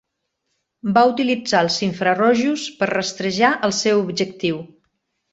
Va utilitzar els infrarojos per rastrejar el seu objectiu.